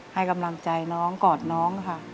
ให้กำลังใจน้องกอดน้องค่ะ